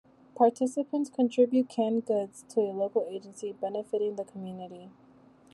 Participants contribute canned goods to a local agency benefiting the community.